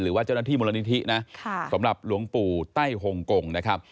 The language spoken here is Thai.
หรือว่าเจ้าหน้าที่มูลนิธินะสำหรับหลวงปู่ไต้หงกงนะครับ